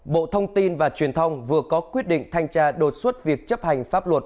bộ thông tin và truyền thông vừa có quyết định thanh tra đột xuất việc chấp hành pháp luật